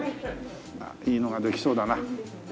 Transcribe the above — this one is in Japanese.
いいのができそうだな。